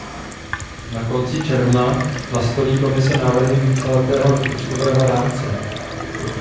Na konci června nastolí Komise návrhy víceletého rozpočtového rámce.